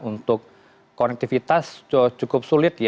untuk konektivitas cukup sulit